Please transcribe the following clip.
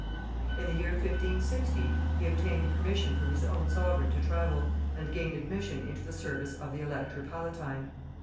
In the year 1560 he obtained permission from his own sovereign to travel, and gained admission into the service of the elector palatine.